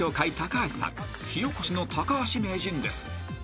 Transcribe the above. ［火おこしの橋名人です］